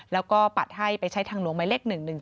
แล้วก็ปัดให้ไปใช้ทางหลวงหมายเลข๑๑๒